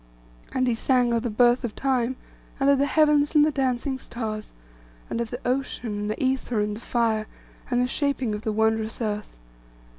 And he sang of the birth of Time, and of the heavens and the dancing stars; and of the ocean, and the ether, and the fire, and the shaping of the wondrous earth.